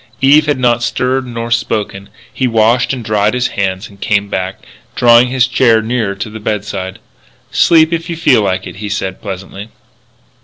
Eve had not stirred nor spoken. He washed and dried his hands and came back, drawing his chair nearer to the bedside. "Sleep, if you feel like it," he said pleasantly.